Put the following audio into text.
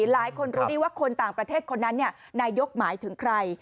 หลายคนรู้ดีว่าคนต่างประเทศคนนั้นนายกหมายถึงใคร